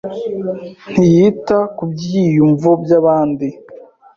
Ntiyita ku byiyumvo by'abandi.